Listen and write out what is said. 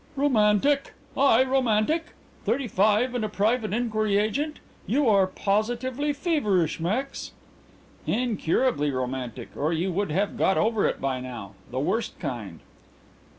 "Romantic! I, romantic? Thirty five and a private inquiry agent! You are positively feverish, Max." "Incurably romantic or you would have got over it by now: the worst kind."